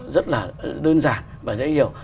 rất là đơn giản và dễ hiểu